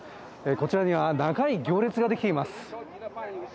こちらには長い行列ができています。